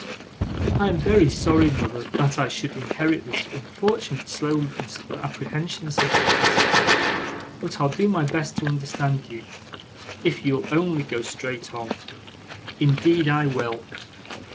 'I am very sorry, mother, that I should inherit this unfortunate slowness of apprehension,' said Nicholas, kindly; 'but I'll do my best to understand you, if you'll only go straight on: indeed I will.